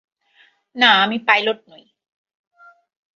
না, আমি পাইলট নই।